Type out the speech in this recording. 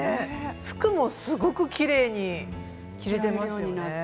服もすごくきれいに着れていますよね。